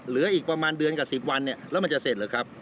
เหลืออีกประมาณเดือนกับ๑๐วันเนี่ยแล้วมันจะเสร็จหรือครับ